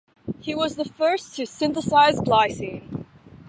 He was the first to synthesize glycine.